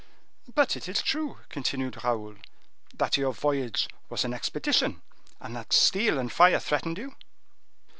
"But it is true," continued Raoul, "that your voyage was an expedition, and that steel and fire threatened you?"